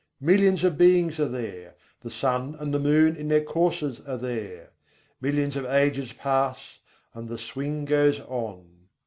Millions of beings are there: the sun and the moon in their courses are there: Millions of ages pass, and the swing goes on.